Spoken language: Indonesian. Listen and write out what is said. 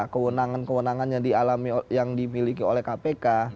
kewenangan kewenangan yang dimiliki oleh kpk